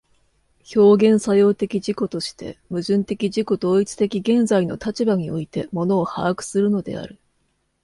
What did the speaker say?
表現作用的自己として、矛盾的自己同一的現在の立場において物を把握するのである。